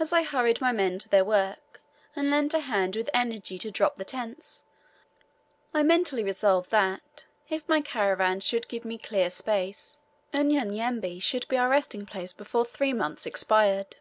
As I hurried my men to their work, and lent a hand with energy to drop the tents, I mentally resolved that, if my caravans a should give me clear space, Unyanyembe should be our resting place before three months expired.